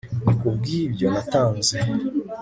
ni kubwibyo natanze